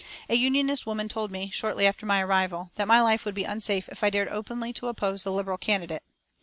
A Unionist woman told me, shortly after my arrival, that my life would be unsafe if I dared openly to oppose the Liberal candidate.